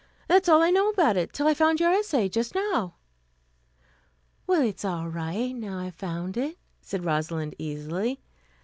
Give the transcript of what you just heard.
That is all I know about it, till I found your essay just now." "Well, it's all right, now I've found it," said Rosalind easily.